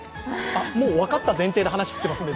もう分かった前提で話振ってますので。